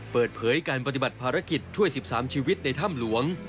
เปิดเผยการปฏิบัติภารกิจช่วย๑๓ชีวิตในถ้ำหลวง